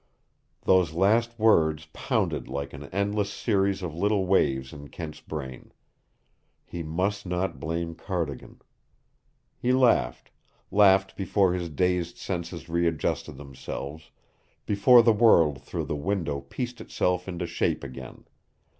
Those last words pounded like an endless series of little waves in Kent's brain. He must not blame Cardigan! He laughed, laughed before his dazed senses readjusted themselves, before the world through the window pieced itself into shape again.